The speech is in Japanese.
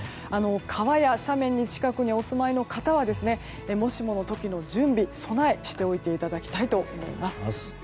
川や斜面の近くにお住まいの方はもしもの時の準備備えをしておいていただきたいと思います。